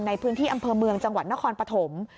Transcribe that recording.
ในพื้นที่อำเภอเมืองจังหวัดนครปฐม